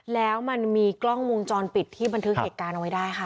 แล้วมันมีกล้องวงจรปิดที่บันทึกเหตุการณ์เอาไว้ได้ค่ะ